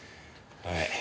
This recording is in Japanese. はい。